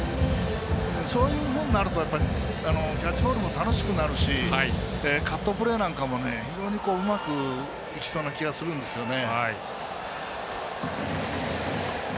そういうふうになるとキャッチボールも楽しくなるしカットプレーなんかも非常にうまくいきそうな気がするんですね。